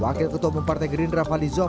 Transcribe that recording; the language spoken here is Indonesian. wakil ketua pemimpin partai gerindra fali zon